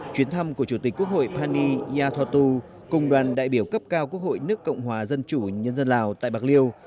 chuyến thăm của chủ tịch quốc hội pani yathotu cùng đoàn đại biểu cấp cao quốc hội nước cộng hòa dân chủ nhân dân lào tại bạc liêu